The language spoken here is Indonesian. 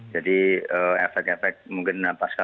jadi efek efek mungkin apa sekali